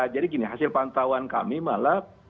jadi gini hasil pantauan kami malah